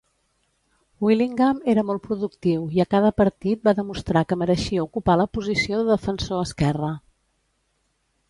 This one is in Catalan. Willingham era molt productiu i a cada partit va demostrar que mereixia ocupar la posició de defensor esquerre.